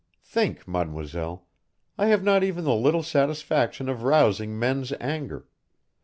Think, mademoiselle, I have not even the little satisfaction of rousing men's anger.